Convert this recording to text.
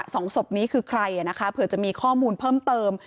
สองศพนี้คือใครอ่ะนะคะเผื่อจะมีข้อมูลเพิ่มเติม